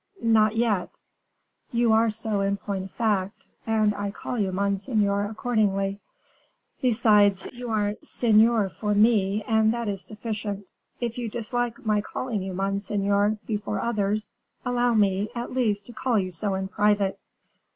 "Not yet." "You are so in point of fact, and I call you monseigneur accordingly; besides you are seigneur for me, and that is sufficient; if you dislike my calling you monseigneur before others, allow me, at least, to call you so in private."